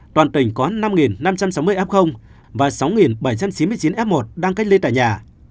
toàn tỉnh có năm năm trăm sáu mươi f và sáu bảy trăm chín mươi chín f một đang cách ly tại nhà